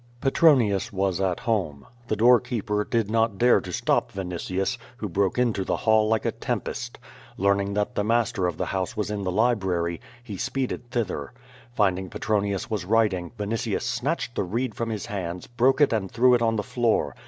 Petronius was at home. The doorkeeper did not dare to stop Vinitius, who broke into the hall like a tempest. Learn ing that the master of the house was in the library, he speeded thither. Finding Petronius was writing, Vinitius snatched the reed from his hands, broke it and threw it on the floor.